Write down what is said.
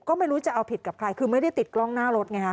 ก็ไม่รู้จะเอาผิดกับใครคือไม่ได้ติดกล้องหน้ารถไงฮ